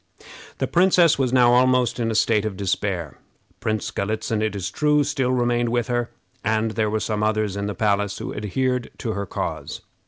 The princess was now almost in a state of despair. Prince Galitzin, it is true, still remained with her, and there were some others in the palace who adhered to her cause.